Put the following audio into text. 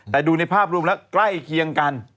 แต่ดูในภาพรวมแล้วใกล้เคียงกัน